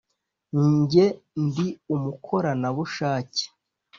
Nge ndi umukorana bushake